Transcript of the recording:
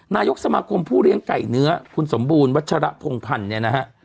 นายกสมาคมผู้เลี้ยงไก่เนื้อคุณสมบูรณวัชระพงพันธ์เนี่ยนะฮะ